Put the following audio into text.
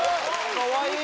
かわいい。